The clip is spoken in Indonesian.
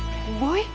aku mau ke rumah